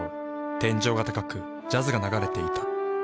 天井が高くジャズが流れていた。